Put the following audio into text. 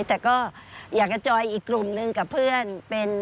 แต่ก็อยากจะจอยอีกกลุ่มนึงกับเพื่อนเป็น